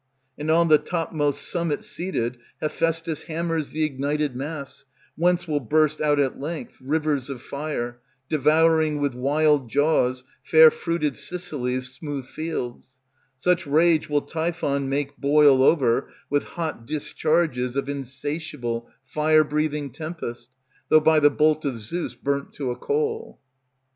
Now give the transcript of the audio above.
And on the topmost summit seated, Hephaistus Hammers the ignited mass, whence will burst out at length Rivers of fire, devouring with wild jaws Fair fruited Sicily's smooth fields; Such rage will Typhon make boil over With hot discharges of insatiable fire breathing tempest, Though by the bolt of Zeus burnt to a coal.